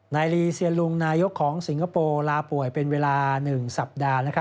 นายลีเซียนลุงนายกของสิงคโปร์ลาป่วยเป็นเวลา๑สัปดาห์